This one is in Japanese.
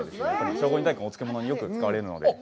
聖護院大根のお漬物によく使われますので。